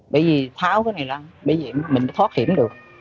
bởi vì tháo cái này ra bởi vì mình thoát hiểm được